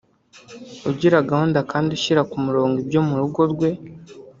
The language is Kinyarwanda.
ugira gahunda kandi ushyira ku murongo ibyo mu rugo rwe